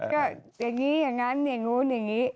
ก็อย่างนี้อย่างนั้นอย่างนู้นอย่างนี้